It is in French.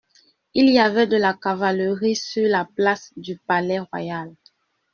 Il y avait de la cavalerie sur la place du Palais-Royal.